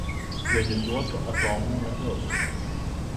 Jonizuotų atomų nedaug.